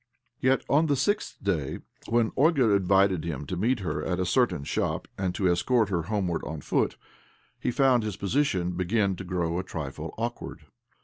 Yet on the sixth day, when Olga invited him to meet her at a certain shop, and to escort her homeward on foot, he found his position begin to grow a trifle awkward.